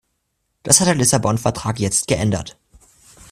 Das hat der Lissabon-Vertrag jetzt geändert.